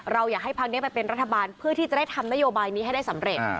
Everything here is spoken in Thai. เราอยากให้พักนี้ไปเป็นรัฐบาลเพื่อที่จะได้ทำนโยบายนี้ให้ได้สำเร็จ